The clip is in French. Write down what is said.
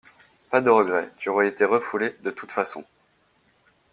Pas de regret, tu aurais été refoulé, de toute façon!